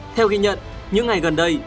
theo ghi nhận những ngày gần đây